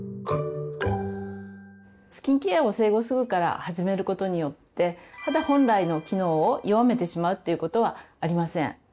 スキンケアを生後すぐから始めることによって肌本来の機能を弱めてしまうということはありません。